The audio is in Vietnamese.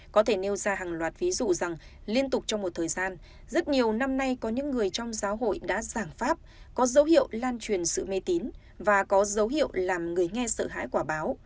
có thể nêu ra hàng loạt ví dụ rằng liên tục trong một thời gian rất nhiều năm nay có những người trong giáo hội đã giảng pháp có dấu hiệu lan truyền sự mê tín và có dấu hiệu làm người nghe sợ hãi quả báo